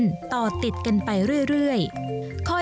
ใช้ความพิถีพิถันในการพันลวดให้มีลักษณะเป็นแนวตรงแน่นต่อติดกันไปเรื่อย